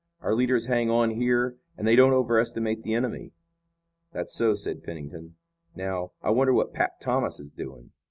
Our leaders hang on here and they don't overestimate the enemy." "That's so," said Pennington. "Now, I wonder what 'Pap' Thomas is doing."